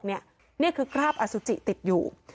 นี่คือคราบอสุจิติดอยู่